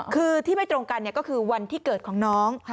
คือที่ไม่ตรงกันก็คือวันที่เกิดของน้อง